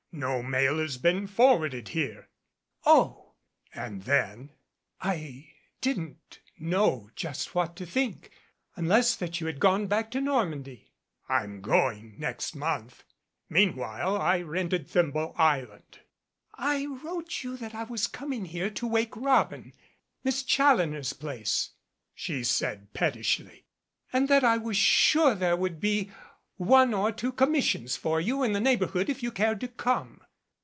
No mail has been for warded here." "Oh!" And then: "I didn't know just what to think i unless that you had gone back to Normandy." "I'm going next month. Meanwhile I rented Thimble Island "I wrote you that I was coming here to 'Wake Robin,' Miss Challoner's place," she said pettishly, "and that I was sure there would be one or two commissions for you in the neighborhood if you cared to come."